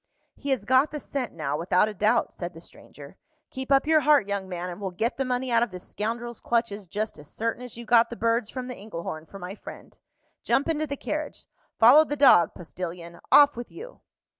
"He has got the scent now, without a doubt," said the stranger. "Keep up your heart, young man, and we'll get the money out of this scoundrel's clutches just as certain as you got the birds from the Engelhorn for my friend. Jump into the carriage. Follow the dog, postilion. Off with you!"